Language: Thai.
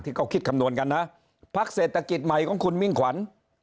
เขาก็คิดคำนวณกันนะพักเศรษฐกิจใหม่ของคุณมิ่งขวัญ